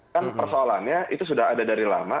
kan persoalannya itu sudah ada dari lama